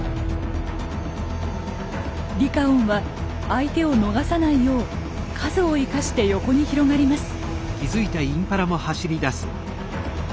リカオンは相手を逃さないよう数を生かして横に広がります。